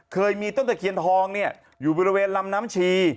เคยมีต้นตะเคียนทองเนี่ยอยู่บริเวณลำน้ำชี